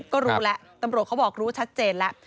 ก็รู้แล้วตำรวจเขาบอกรู้ชัดเจนแล้ว